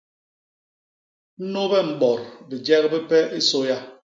Nôbe mbot bijek bipe i sôya!